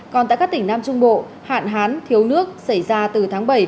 còn tại các tỉnh nam trung bộ hạn hán thiếu nước xảy ra từ tháng bảy